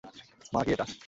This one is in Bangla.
মা, কী এটা?